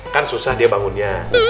kan susah dia bangunnya